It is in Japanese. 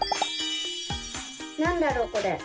なんだろうこれ？